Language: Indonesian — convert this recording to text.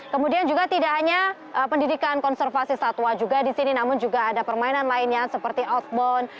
kemudian juga tidak hanya pendidikan konservasi satwa juga di sini namun juga ada permainan lainnya seperti outbound